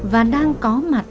và đang có mặt